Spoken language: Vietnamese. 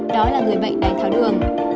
đó là người bệnh đài tháo đường